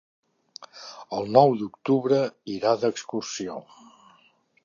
El nou d'octubre irà d'excursió.